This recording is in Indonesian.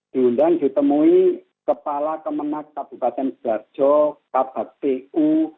diundang ditemui kepala kemenang kabupaten sebarjo kabupaten tum